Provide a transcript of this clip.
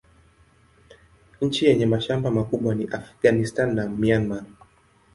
Nchi yenye mashamba makubwa ni Afghanistan na Myanmar.